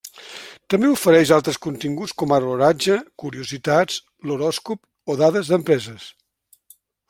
També ofereix altres continguts com ara l'oratge, curiositats, l'horòscop o dades d'empreses.